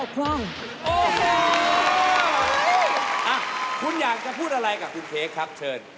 คุณอยากจะพูดอะไรกับคุณเค้กครับเชิญ